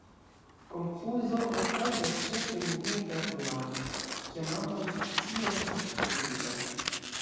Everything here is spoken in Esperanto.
Konfuzo okazas ĉefe en vintra plumaro, kiam ambaŭ specioj estas tute grizaj.